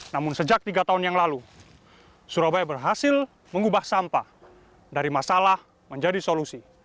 namun sejak tiga tahun yang lalu surabaya berhasil mengubah sampah dari masalah menjadi solusi